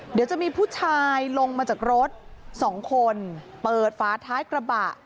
เดี๋ยวจะมีผู้ชายลงมาจากรถสองคนเปิดฝาท้ายกระบะ